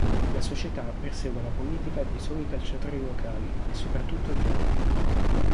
La società persegue una politica di soli calciatori locali e soprattutto giovani.